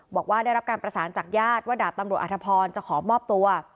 บอกว่าได้รับการประสานจากญาติว่าดาบตำรวจอธพรจะขอมอบตัว